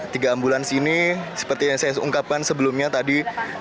tiga ambulans ini seperti yang saya ungkapkan sebelumnya tadi